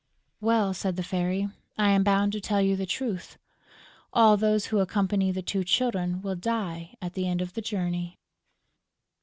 "Well," said the Fairy, "I am bound to tell you the truth: all those who accompany the two Children will die at the end of the journey."